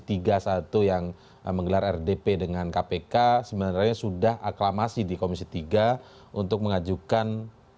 tiga satu yang menggelar rdp dengan kpk sebenarnya sudah aklamasi di komisi tiga untuk mengajukan